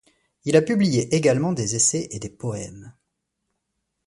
Il a publié également des essais et des poèmes.